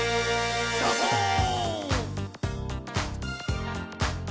「サボーン！」